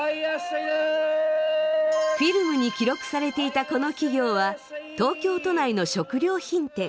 フィルムに記録されていたこの企業は東京都内の食料品店。